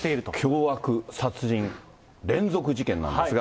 凶悪殺人連続事件なんですが。